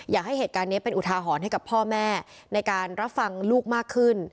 อยากให้เหตุการณ์นี้เป็นอุทาหรณ์ให้กับพ่อแม่ในการรับฟังลูกมากขึ้น